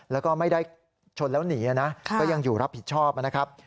แล้วก็ไม่ได้ชนแล้วหนีนะก็ยังอยู่รับผิดชอบนะครับ